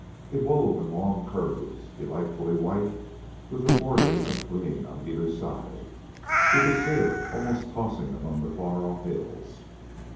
It wove in long curves, delightfully white with the bordering of green on either side. He could see it almost tossing among the far off hills.